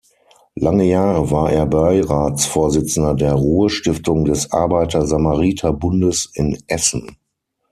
Lange Jahre war er Beiratsvorsitzender der Ruhr-Stiftung des Arbeiter-Samariter-Bundes in Essen.